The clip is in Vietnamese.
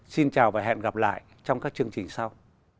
xin chào và hẹn gặp lại trong các chương trình sau